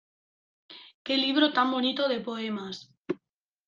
¡Qué libro tan bonito de poemas!